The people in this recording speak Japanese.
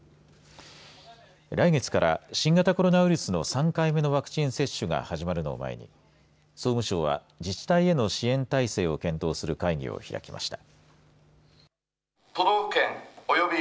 来月から新型コロナウイルスの３回目のワクチン接種が始まるのを前に総務省は自治体への支援態勢を検討する会議を開きました。